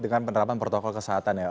dengan penerapan protokol kesehatan ya